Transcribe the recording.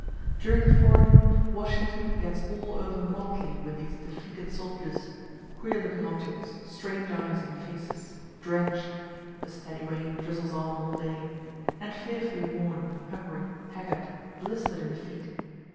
During the forenoon Washington gets all over motley with these defeated soldiers queer looking objects, strange eyes and faces, drench'd (the steady rain drizzles on all day) and fearfully worn, hungry, haggard, blister'd in the feet.